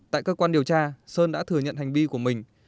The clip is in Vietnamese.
tại cơ quan điều tra sơn đã thừa nhận hành vi của mình